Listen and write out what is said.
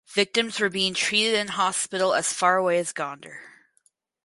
Victims were being treated in hospital as far away as Gonder.